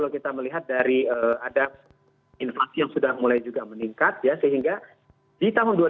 kita melihat dari ada inflasi yang sudah mulai juga meningkat ya sehingga di tahun dua ribu dua puluh